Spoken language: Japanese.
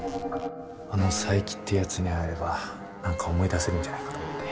あの佐伯ってやつに会えれば何か思い出せるんじゃないかと思って。